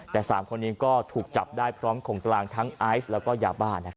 แต่๓คนนี้ก็ถูกจับได้พร้อมของกลางทั้งไอซ์แล้วก็ยาบ้า